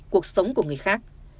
cuộc sống của người khác